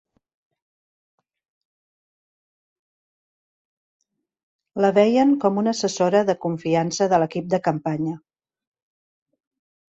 La veien com una assessora de confiança de l'equip de campanya.